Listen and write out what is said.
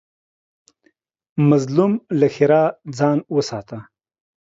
مظلوم له ښېرا څخه ځان وساته